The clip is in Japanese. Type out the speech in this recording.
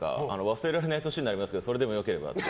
忘れられない年になりますけどそれでも良ければって。